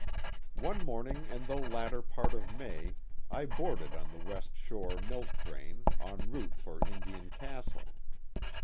One morning in the latter pari of May I boarded the West Shore milk train, en route for Indian Castle.